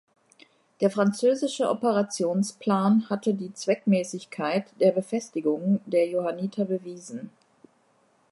Der französische Operationsplan hatte die Zweckmäßigkeit der Befestigungen der Johanniter bewiesen.